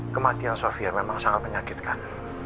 kematian sofia memang sangat menyakitkan